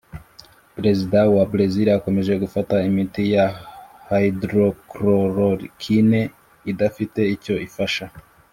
perezida wa brezile akomeje gafata imiti ya hydroxychloroquine idafite icyo ifasha